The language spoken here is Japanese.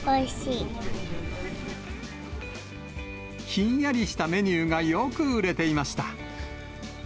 ひんやりしたメニューがよく売れていました。